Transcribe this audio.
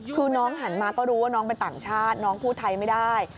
คือน้องหันมาก็รู้ว่าน้องเป็นต่างชาติน้องพูดไทยไม่ได้